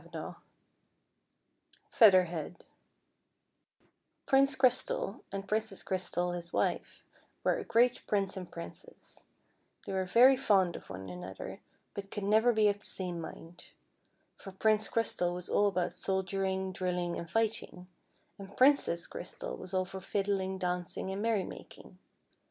JMI jiiiu m ^m ^ rm RINCE CRYSTAL and Princess Crystal his wife were a great Prince and Princess, They were very fond of one another, but could never be of the same mind ; for Prince Crystal was all for soldiering, drilling, and fighting, and Princess Crj'stal was all for fiddling, dancing, and merrymaking.